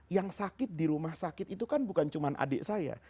yang sakit di rumah sakit itu kan bukan cuma adik saya